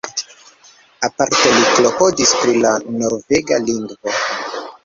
Aparte li klopodis pri la norvega lingvo.